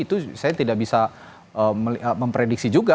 itu saya tidak bisa memprediksi juga